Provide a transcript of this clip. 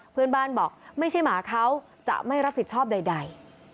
เพื่อนบ้านบอกไม่ใช่หมาเขาจะไม่รับผิดชอบใด